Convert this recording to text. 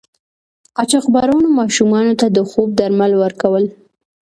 قاچاقبرانو ماشومانو ته د خوب درمل ورکول.